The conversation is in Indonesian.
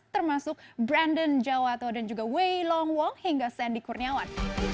termasuk brandon jawato dan juga wei long wong hingga sandy kurniawan